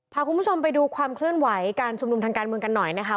พาคุณผู้ชมไปดูความเคลื่อนไหวการชุมนุมทางการเมืองกันหน่อยนะคะ